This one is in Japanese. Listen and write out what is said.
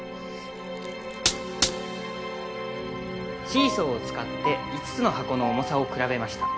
「シーソーを使って５つの箱の重さを比べました」